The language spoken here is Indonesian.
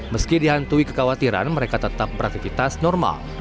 meski dihantui kekhawatiran mereka tetap beraktivitas normal